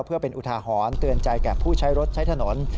เพื่อเป็นอุทาหรณ์เตือนใจแก่ผู้ใช้รถใช้ถนน